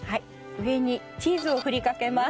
上にチーズを振りかけます。